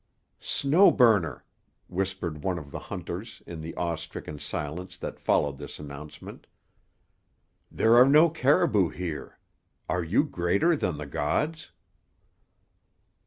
"Snow Burner," whispered one of the hunters in the awe stricken silence that followed this announcement, "there are no caribou here. Are you greater than the gods?"